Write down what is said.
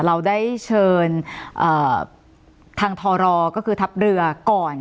เราได้เชิญทางทรก็คือทัพเรือก่อน